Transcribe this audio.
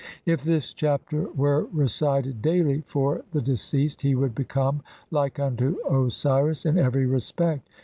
If this Chapter were recited daily (?) for the deceased he would become like unto Osiris in every respect.